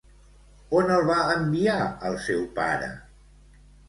On el va enviar el seu pare?